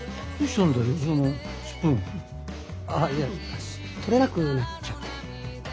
あっいや取れなくなっちゃって。